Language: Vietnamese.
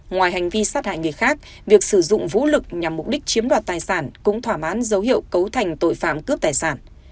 ngoài hành vi sát hại người khác việc sử dụng vũ lực nhằm mục đích chiếm đoạt tài sản cũng thỏa mãn dấu hiệu cấu thành tội phạm cướp tài sản